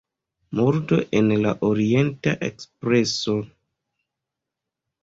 Murdo en la Orienta Ekspreso.